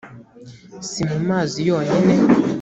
si mu mazi yonyine